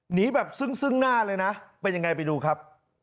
หนีแบบซึ่งหน้าเลยนะเป็นยังไงไปดูครับ